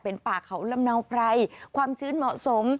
เป็นป่าเขาลำเนาไพรความชื้นเหมาะสม